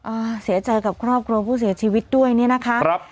อ่าเสียใจกับครอบครัวผู้เสียชีวิตด้วยเนี่ยนะคะครับ